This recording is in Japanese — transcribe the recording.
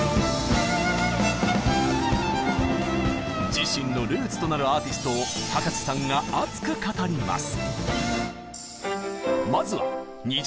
自身のルーツとなるアーティストを葉加瀬さんが熱く語ります。